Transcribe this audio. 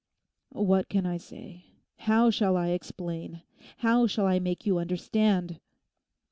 'What can I say? How shall I explain? How shall I make you understand?